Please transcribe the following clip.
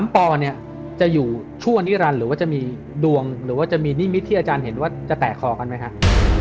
ปอเนี่ยจะอยู่ชั่วนิรันดิ์หรือว่าจะมีดวงหรือว่าจะมีนิมิตที่อาจารย์เห็นว่าจะแตกคอกันไหมครับ